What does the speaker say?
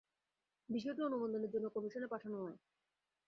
বিষয়টি অনুমোদনের জন্য কমিশনে পাঠানো হয়।